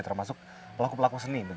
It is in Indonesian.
termasuk pelaku pelaku seni